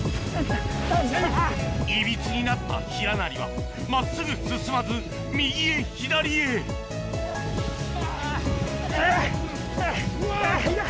いびつになったヒラナリは真っすぐ進まず右へ左へうわ！